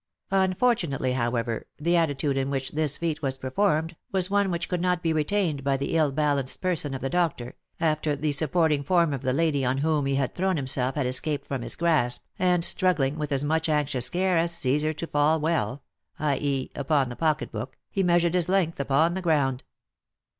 Unfortunately, however, the attitude in which this feat was per formed, was one which could not be retained by the ill balanced person of the doctor, after the supporting form of the lady on whom he had thrown himself had escaped from his grasp, and, struggling with as much anxious care as Csesar to fall well (i. e. upon the pocket book), he measured his length upon the ground.